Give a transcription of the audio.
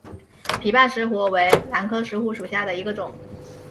反瓣石斛为兰科石斛属下的一个种。